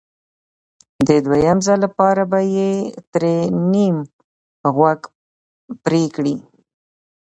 د دویم ځل لپاره به یې ترې نیم غوږ پرې کړ